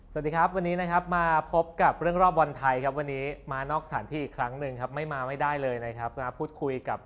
สวัสดีครับวันนี้นะครับมาพบกับเรื่องรอบบอลไทยครับวันนี้มานอกสถานที่อีกครั้งหนึ่งครับไม่มาไม่ได้เลยนะครับมาพูดคุยกับ